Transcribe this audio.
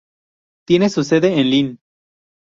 Tiene su sede en Lynn.